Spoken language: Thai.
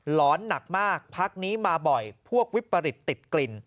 อนหนักมากพักนี้มาบ่อยพวกวิปริตติดกลิ่น